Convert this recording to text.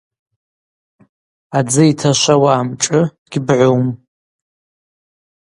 Адзы йташвауа амшӏы гьбгӏум.